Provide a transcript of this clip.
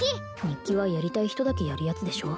日記はやりたい人だけやるやつでしょ？